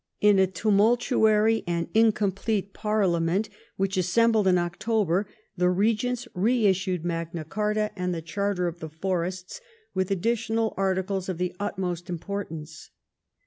In a tumultuary and incomplete parliament which assembled in October, the regents reissued Magna Carta and the Charter of the Forests, with additional articles of the utmost import ance.